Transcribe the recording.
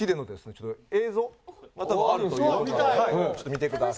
ちょっと映像が多分あるという事なのでちょっと見てください。